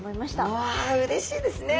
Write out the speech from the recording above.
うわうれしいですね。